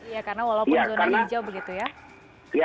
iya karena walaupun zona hijau begitu ya